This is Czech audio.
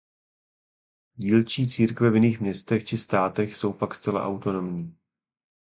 Dílčí církve v jiných městech či státech jsou pak zcela autonomní.